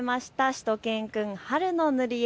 しゅと犬くん春の塗り絵。